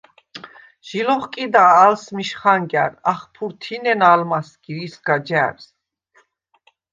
ჟი ლოხკიდა ალსმიშ ხანგა̈რ. ახფურთინენა ალმა̈სგირ ისგა ჯა̈რს.